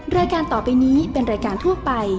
รายการต่อไปนี้เป็นรายการทั่วไป